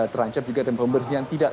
terancam juga dan pembersihan tidak